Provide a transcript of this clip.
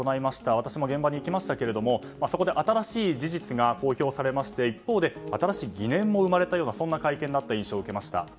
私も現場に行きましたがそこで新しい事実が公表されまして一方で、新しい疑念も生まれたような会見だった印象を受けました。